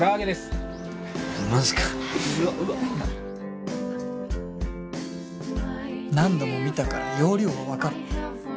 心の声何度も見たから要領は分かる。